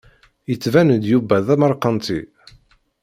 Yettban-d Yuba d amerkanti.